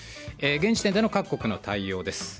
現時点での各国の対応です。